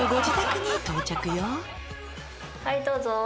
はいどうぞ。